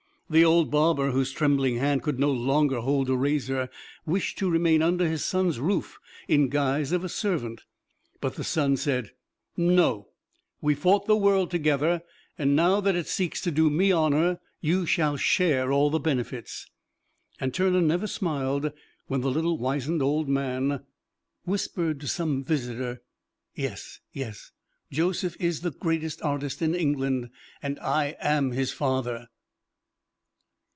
The old barber, whose trembling hand could no longer hold a razor, wished to remain under his son's roof in guise of a servant; but the son said, "No; we fought the world together, and now that it seeks to do me honor, you shall share all the benefits." And Turner never smiled when the little, wizened, old man would whisper to some visitor, "Yes, yes; Joseph is the greatest artist in England, and I am his father."